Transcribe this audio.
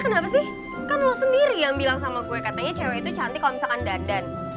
kenapa sih kan lo sendiri yang bilang sama gue katanya cewek itu cantik kalau misalkan dadan